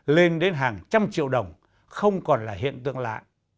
lên đến hàng trăm triệu đồng không còn là hiện tượng lạ